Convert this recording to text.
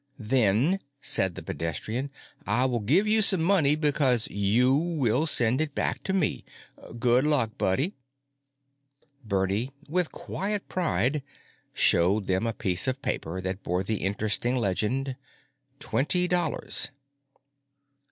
"Then," said the pedestrian, "I will give you some money because you will send it back to me. Good luck, buddy." Bernie, with quiet pride, showed them a piece of paper that bore the interesting legend Twenty Dollars.